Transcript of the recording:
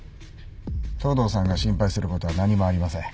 藤堂さんが心配することは何もありません。